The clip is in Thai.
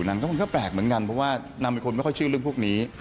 มันก็แปลกเหมือนกันเพราะว่านางเป็นคนไม่ค่อยเชื่อเรื่องพวกนี้